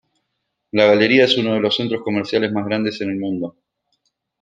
La galería es uno de los centros comerciales más grandes en el mundo.